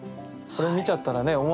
これ見ちゃったらね